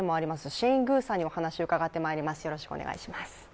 シェイン・グウさんにお話を伺ってまいります。